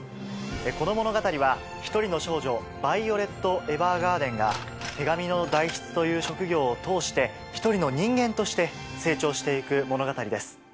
この物語は１人の少女ヴァイオレット・エヴァーガーデンが手紙の代筆という職業を通して１人の人間として成長して行く物語です。